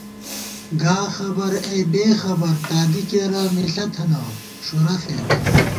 گا خبر اے بېخبر تادی کېرہ مِݪہ تھنہ ݭُرہ فېد